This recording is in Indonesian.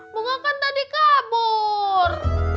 bunga kan tadi kabur